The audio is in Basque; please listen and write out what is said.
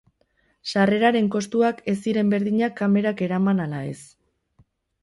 Sarreraren kostuak ez ziren berdinak kamerak eraman ala ez.